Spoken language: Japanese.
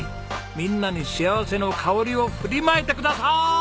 みんなに幸せの香りを振りまいてくださーい！